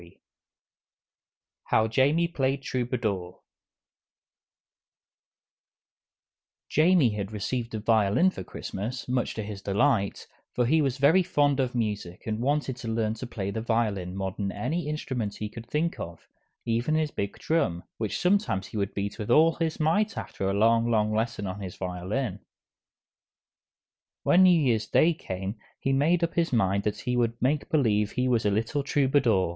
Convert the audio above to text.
_ HOW JAMIE PLAYED TROUBADOUR Jamie had received a violin for Christmas, much to his delight, for he was very fond of music and wanted to learn to play the violin more than any instrument he could think of even his big drum, which sometimes he would beat with all his might after a long, long lesson on his violin. When New Year's Day came he made up his mind that he would make believe he was a little troubadour.